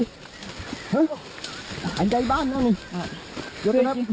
หึไหลใกล้บ้านแล้วหนึ่ง